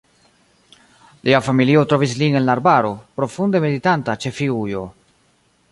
Lia familio trovis lin en la arbaro, profunde meditanta ĉe figujo.